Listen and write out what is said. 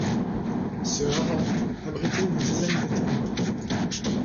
Ce haras abritait une dizaine d'étalons.